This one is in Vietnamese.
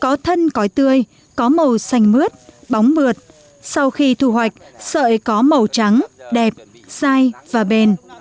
có thân cói tươi có màu xanh mướt bóng mượt sau khi thu hoạch sợi có màu trắng đẹp dai và bền